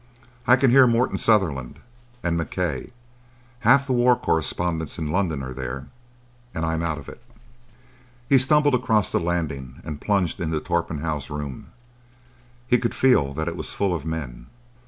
I can hear Morten Sutherland and Mackaye. Half the War Correspondents in London are there;—and I'm out of it." He stumbled across the landing and plunged into Torpenhow's room. He could feel that it was full of men.